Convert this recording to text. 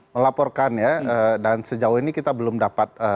melaporkan ya dan sejauh ini kita belum dapat